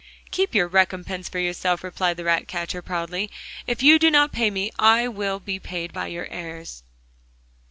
'Keep your recompense for yourself,' replied the ratcatcher proudly. 'If you do not pay me I will be paid by your heirs.